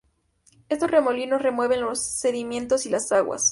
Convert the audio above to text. Estos remolinos remueven los sedimentos y las aguas.